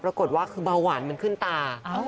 ปรากฏว่าคือเบาหวานมันขึ้นตา